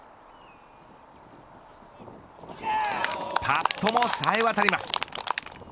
パットも冴え渡ります。